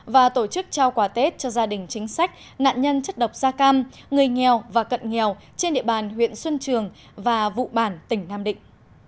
và tổ chức trao quà tết cho gia đình chính sách nạn nhân chất độc da cam người nghèo và cận nghèo trên địa bàn huyện xuân trường và vụ bản tỉnh nam định